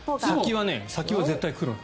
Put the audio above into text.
先は絶対黒なの。